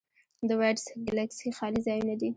د وایډز ګلکسي خالي ځایونه دي.